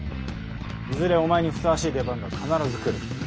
いずれお前にふさわしい出番が必ず来る。